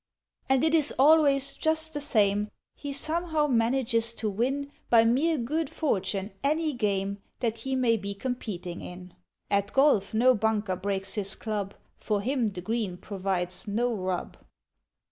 And it is always just the same; He somehow manages to win, By mere good fortune, any game That he may be competing in. At Golf no bunker breaks his club, For him the green provides no "rub."